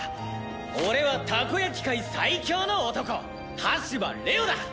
俺はたこやき界最強の男羽柴レオだ！